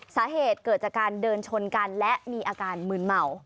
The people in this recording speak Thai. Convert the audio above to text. สาเหตุเกิดจากการเดินชนกันและมีอาการมืนเมา